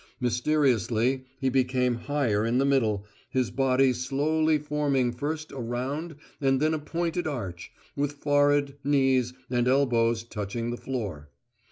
Mysteriously he became higher in the middle, his body slowly forming first a round and then a pointed arch, with forehead, knees, and elbows touching the floor.